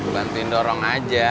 bantuin dorong aja